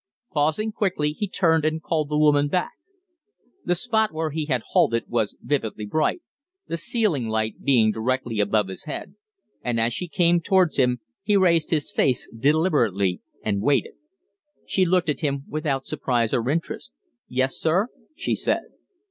Pausing quickly, he turned and called the woman back. The spot where he had halted was vividly bright, the ceiling light being directly above his head; and as she came towards him he raised his face deliberately and waited. She looked at him without surprise or interest. "Yes, sir?" she said.